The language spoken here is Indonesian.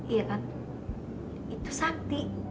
iya kan itu sakti